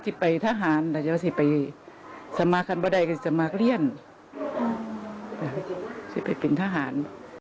จะไปทหารจะไปสมัครกันบ้างได้ก็จะมาเลี่ยนจะไปเป็นทหาร